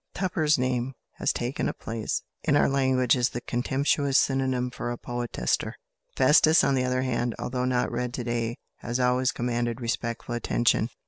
Tupper's name has taken a place in our language as the contemptuous synonym for a poetaster. "Festus," on the other hand, although not read to day, has always commanded respectful attention.